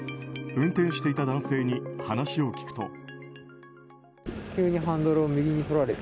運転していた男性に話を聞くと。